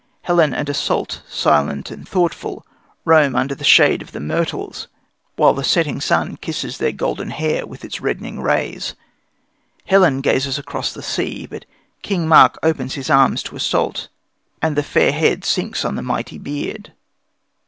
Helen and Iseult, silent and thoughtful, roam under the shade of the myrtles, while the setting sun kisses their golden hair with its reddening rays. Helen gazes across the sea, but King Mark opens his arms to Iseult, and the fair head sinks on the mighty beard.